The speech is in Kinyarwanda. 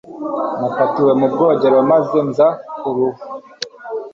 nafatiwe mu bwogero maze nza ku ruhu